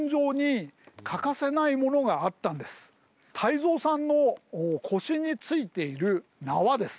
泰造さんの腰についている縄です。